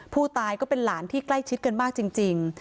ผู้ตายก็เป็นหลานที่ใกล้ชิดกันมากจริง